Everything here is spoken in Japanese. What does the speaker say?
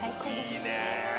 いいね。